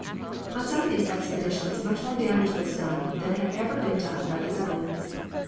On some of these expeditions much more damage was done than had ever been done by the Zeppelins.